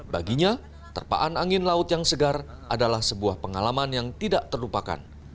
baginya terpaan angin laut yang segar adalah sebuah pengalaman yang tidak terlupakan